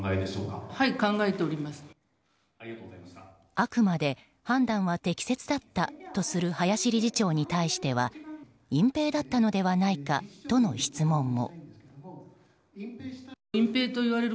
あくまで判断は適切だったとする林理事長に対しては隠蔽だったのではないかとの質問も。